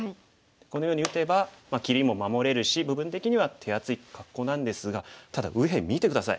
このように打てば切りも守れるし部分的には手厚い格好なんですがただ右辺見て下さい。